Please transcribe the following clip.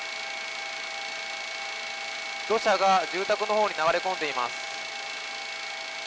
土砂が住宅のほうに流れ込んでいます。